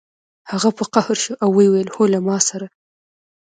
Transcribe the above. هغه په قهر شو او ویې ویل هو له ما سره